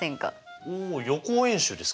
おお予行演習ですか？